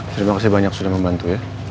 terima kasih banyak sudah membantu ya